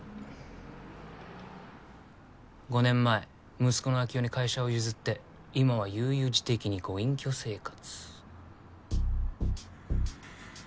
５年前息子の秋生に会社を譲って今は悠々自適にご隠居生活。